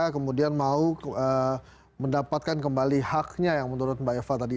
kemudian mau mendapatkan kembali haknya yang menurut mbak eva tadi